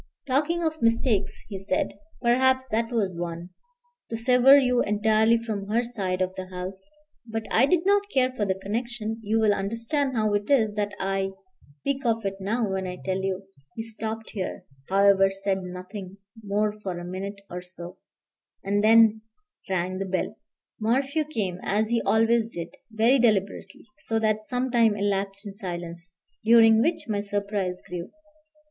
"Talking of mistakes," he said, "perhaps that was one: to sever you entirely from her side of the house. But I did not care for the connection. You will understand how it is that I speak of it now when I tell you " He stopped here, however, said nothing more for a minute or so, and then rang the bell. Morphew came, as he always did, very deliberately, so that some time elapsed in silence, during which my surprise grew.